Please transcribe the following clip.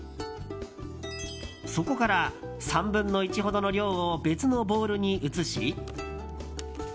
そこから３分の１ほどの量を別のボウルに移し